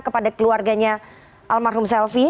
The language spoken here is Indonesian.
kepada keluarganya almarhum selfie oh